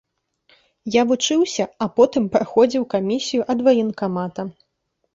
Я вучыўся, а потым праходзіў камісію ад ваенкамата.